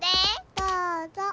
どうぞ！